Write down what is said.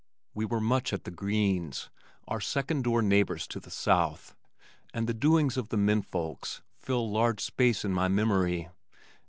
We were much at the Greens', our second door neighbors to the south, and the doings of the men folks fill large space in my memory.